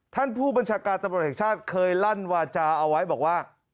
ท่านผู้บัญชาการตำรวจแห่งชาติเคยลั่นวาจาเอาไว้บอกว่า